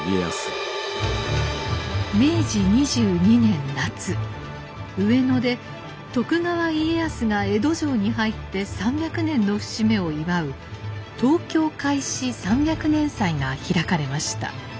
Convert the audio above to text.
明治２２年夏上野で徳川家康が江戸城に入って３００年の節目を祝う東京開市三百年祭が開かれました。